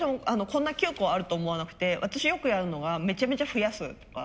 こんな９個あると思わなくて私よくやるのがめちゃめちゃ増やすとか。